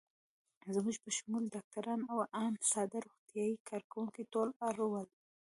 زموږ په شمول ډاکټران او آن ساده روغتیايي کارکوونکي ټول اړ ول.